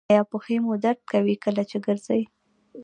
ایا پښې مو درد کوي کله چې ګرځئ؟